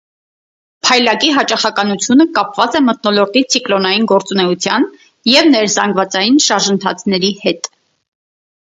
Փայլակի հաճախականությունը կապված է մթնոլորտի ցիկլոնային գործունեության և ներզանգվածային շարժընթացների հետ։